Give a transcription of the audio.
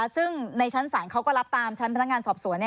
ซึ่งในชั้นศาลเขาก็รับตามชั้นพนักงานสอบสวน